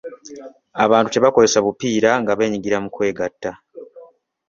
Abantu tebakozesa bupiira nga beenyigira mu kwegatta.